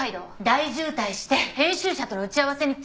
大渋滞して編集者との打ち合わせに遅刻よ！